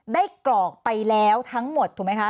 กรอกไปแล้วทั้งหมดถูกไหมคะ